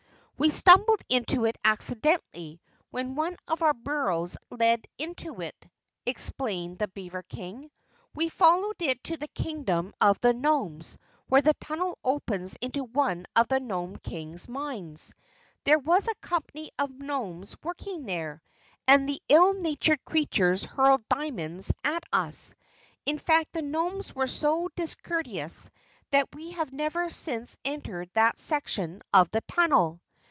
"We stumbled onto it accidentally when one of our burrows led into it," explained the beaver King. "We followed it to the Kingdom of the Nomes where the tunnel opens into one of the Nome King's mines. There was a company of Nomes working there, and the ill natured creatures hurled diamonds at us. In fact the Nomes were so discourteous that we have never since entered that section of the tunnel."